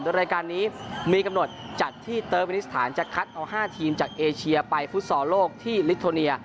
โดยรายการนี้มีกำหนดจัดที่เติร์กมินิสถานจะคัดเอา๕ทีมจากเอเชียไปฟุตซอลโลกที่ลิโทเนีย